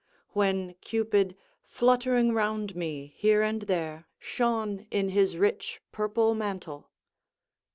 ["When Cupid, fluttering round me here and there, shone in his rich purple mantle."